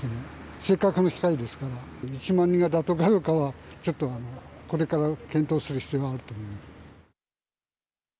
せっかくの機会ですから１万人が妥当かどうかはちょっと、これから検討する必要があると思います。